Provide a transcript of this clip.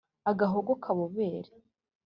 Agahogo kabobere